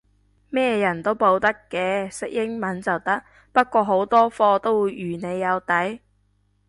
咩人都報得嘅，識英文就得，不過好多課會預你有底